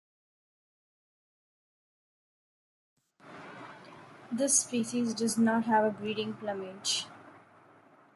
This species does not have a breeding plumage.